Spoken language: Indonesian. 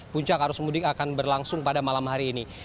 puncak arus mudik akan berlangsung pada malam hari ini